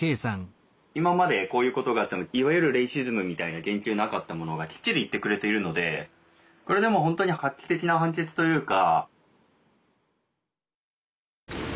今までこういうことがあってもいわゆるレイシズムみたいな言及なかったものがきっちり言ってくれているのでこれでも本当に画期的な判決というか。